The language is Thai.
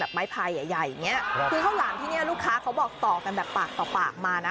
คือข้าวหลามที่นี่ลูกค้าเขาบอกต่อกันแบบปากต่อกลางปากมานะ